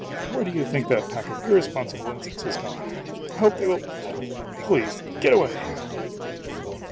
Where do you think that pack of irresponsible insects has gone? I hope they will Please get away!'